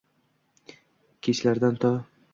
Kechalardan to